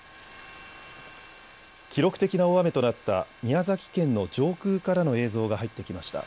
記録的な大雨となった宮崎県の上空からの映像が入ってきました。